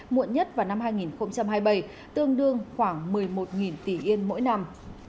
muộn nhất vào năm hai nghìn hai mươi bảy tương đương khoảng một mươi một tỷ yên mỗi năm